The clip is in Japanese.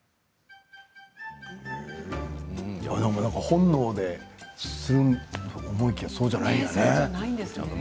本能でするんだと思いきやそうじゃないんですね。